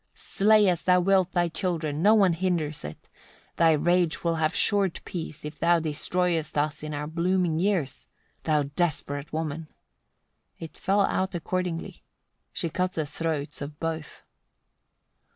75. "Slay as thou wilt thy children, no one hinders it; thy rage will have short peace, if thou destroyest us in our blooming years, thou desperate woman!" It fell out accordingly: she cut the throats of both.